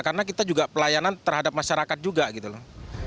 karena kita juga pelayanan terhadap masyarakat juga gitu loh